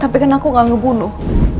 tapi kan aku gak ngebunuh